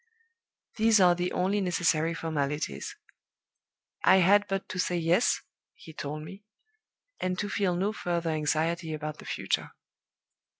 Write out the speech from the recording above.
These are the only necessary formalities. I had but to say 'Yes' (he told me), and to feel no further anxiety about the future.